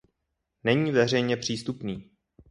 Není veřejně přístupný.